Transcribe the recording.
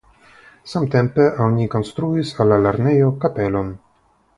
Samtempe oni konstruis al la lernejo kapelon.